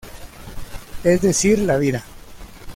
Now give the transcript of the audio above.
Es decir, la vida.